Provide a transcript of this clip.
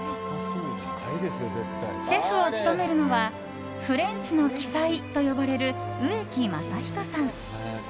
シェフを務めるのはフレンチの鬼才と呼ばれる植木将仁さん。